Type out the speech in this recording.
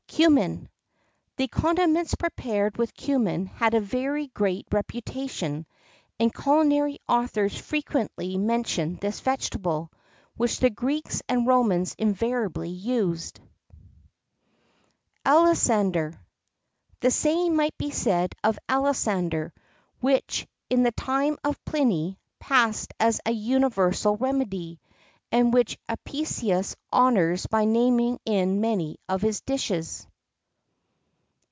CUMMIN. The condiments prepared with cummin had a very great reputation; and culinary authors frequently mention this vegetable, which the Greeks and Romans invariably used.[X 45] ALISANDER. The same might be said of alisander, which, in the time of Pliny, passed as an universal remedy,[X 46] and which Apicius honours by naming in many of his dishes.